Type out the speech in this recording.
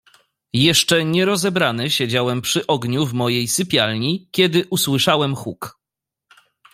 "Jeszcze nie rozebrany siedziałem przy ogniu w mojej sypialni, kiedy usłyszałem huk."